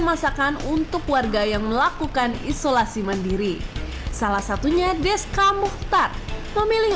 masakan untuk warga yang melakukan isolasi mandiri salah satunya deska mukhtar memilih